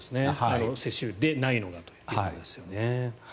世襲でないのがということですよね。